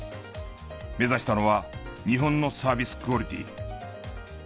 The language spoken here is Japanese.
目指したのは日本のサービスクオリティー。